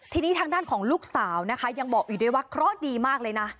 ทีนี้ทางด้านของลูกสาวนะคะยังบอกอีกด้วยว่าเคราะห์ดีมากเลยนะ